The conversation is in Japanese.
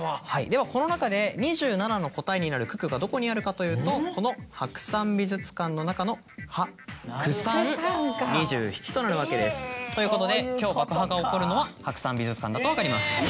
ではこの中で２７の答えになる九九がどこにあるかというとこの「白山美術館」の中の９×３＝２７となるわけです。ということで今日爆破が起こるのは白山美術館だと分かります。